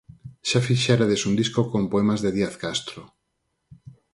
Xa fixerades un disco con poemas de Díaz Castro.